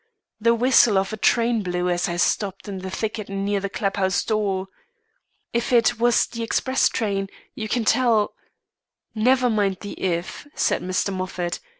The whistle of a train blew as I stopped in the thicket near the club house door. If it was the express train, you can tell " "Never mind the if" said Mr. Moffat.